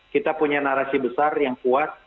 kita punya narasi besar yang kuat